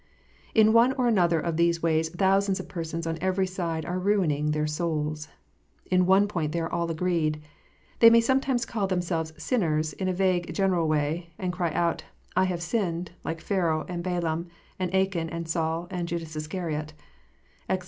In one or other of these ways thousands of persons on every side are ruining their souls. In one point they are all agreed. They may sometimes call themselves "sinners," in a vague, general way, and cry out, "I have sinned," like Pharaoh, and Balaam, and Achan, and Saul, and Judas Iscariot (Exod.